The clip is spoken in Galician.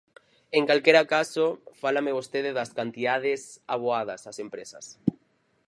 En calquera caso, fálame vostede das cantidades aboadas ás empresas.